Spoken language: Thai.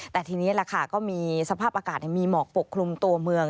แต่ทีนี้ล่ะค่ะก็มีสภาพอากาศมีหมอกปกคลุมตัวเมือง